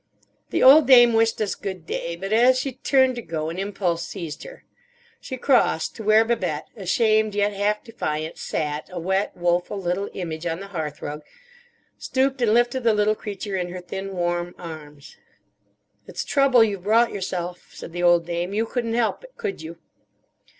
The old dame wished us good day; but as she turned to go an impulse seized her. She crossed to where Babette, ashamed, yet half defiant, sat a wet, woeful little image on the hearthrug, stooped and lifted the little creature in her thin, worn arms. "It's trouble you've brought yourself," said the old dame. "You couldn't help it, could you?"